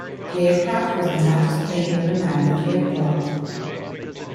The aircraft was the largest plane to ever land at the airport.